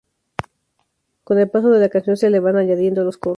Con el paso de la canción se le van añadiendo los coros.